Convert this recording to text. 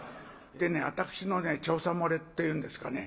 でね私の調査漏れっていうんですかね